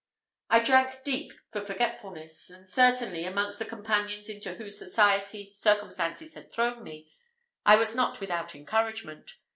I drank deep for forgetfulness; and certainly, amongst the companions into whose society circumstances had thrown me, I was not without encouragement.